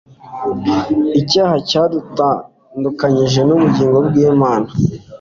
Icyaha cyadutandukanyije n'ubugingo bw'Imana.